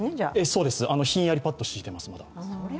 そうです、ひんやりパッド敷いてます。